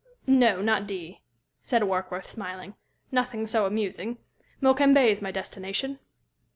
"No, not D ," said Warkworth, smiling. "Nothing so amusing. Mokembe's my destination."